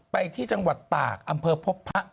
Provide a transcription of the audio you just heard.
ไปที่จังหวัดตากอำเภอพบพระ